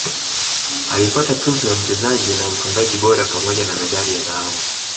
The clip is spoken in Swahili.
aliipata tuzo ya mchezaji na mfungaji bora pamoja na medali ya dhahabu